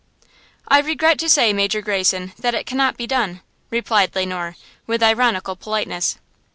"I regret to say, Major Greyson, that it cannot be done," replied Le Noir, with ironical politeness.